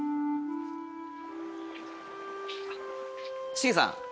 シゲさん